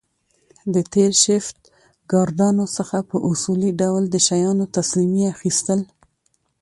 د تېر شفټ ګاردانو څخه په اصولي ډول د شیانو تسلیمي اخیستل